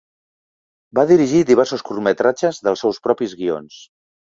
Va dirigir diversos curtmetratges dels seus propis guions.